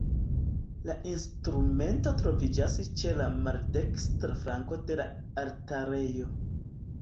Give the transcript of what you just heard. La instrumento troviĝas ĉe la maldekstra flanko de la altarejo.